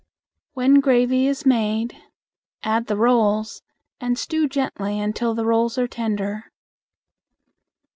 When gravy is made, add the rolls and stew gently until the rolls are tender.